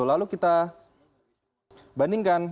lalu kita bandingkan